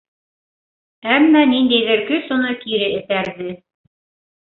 Әммә ниндәйҙер көс уны кире этәрҙе.